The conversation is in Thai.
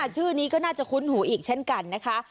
ชื่อนี้ก็น่าจะคุ้นหูอีกเช่นกันนะคะ